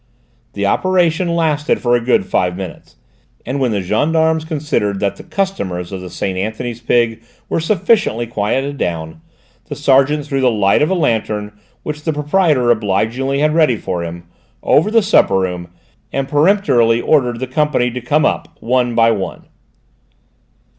The operation lasted for a good five minutes, and when the gendarmes considered that the customers of the Saint Anthony's Pig were sufficiently quieted down, the sergeant threw the light of a lantern, which the proprietor obligingly had ready for him, over the supper room, and peremptorily ordered the company to come up, one by one.